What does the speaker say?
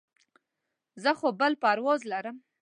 زه خو بل پرواز لرم.